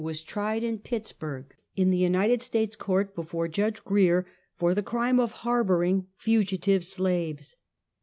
was tried in Pittsburg, in the United States Court, before Judge Grier, for the crime of har boring fugitive slaves.